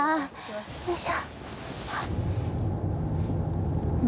よいしょ。